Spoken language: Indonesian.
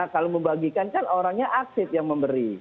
kalau membagikan kan orangnya aktif yang memberi